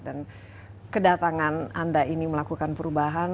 dan kedatangan anda ini melakukan perubahan